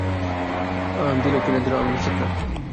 দিলো কি না দিলো আমি নিশ্চিত না।